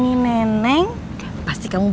bapak anggelnya ruth